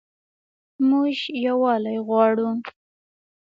موږ یووالی غواړو